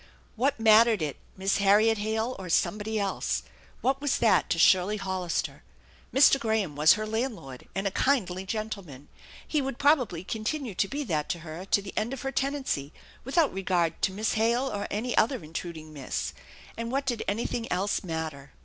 What mattered it, Miss Harriet Hale or somebody else ? What was that to Shirley Hollister? Mr. Graham was her landlord and a kindly gentleman. He would probably continue to be THE ENCHANTED BARN 175 that to her to the end of her tenancy, without regard to Miss Hale or any other intruding Miss, and what did any thing else matter?